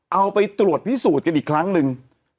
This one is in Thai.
เอาไปตรวจพิสูจน์กันอีกครั้งหนึ่ง